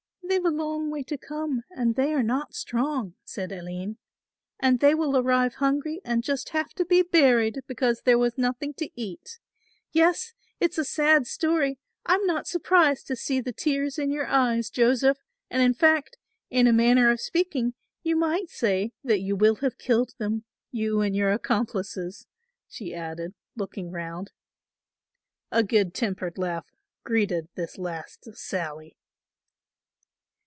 "They've a long way to come and they are not strong," said Aline, "and they will arrive hungry and just have to be buried, because there was nothing to eat. Yes, it's a sad story; I'm not surprised to see the tears in your eyes, Joseph, and, in fact, in a manner of speaking you might say that you will have killed them, you and your accomplices," she added, looking round. A good tempered laugh greeted this last sally.